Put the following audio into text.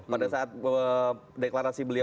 pada saat deklarasi beliau